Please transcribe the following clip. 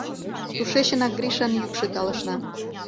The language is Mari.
Тушечынак Гришан йӱкшӧ талышна: